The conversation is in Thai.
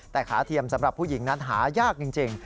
แต่ขาเทียมสำหรับผู้หญิงนั้นหายากจริง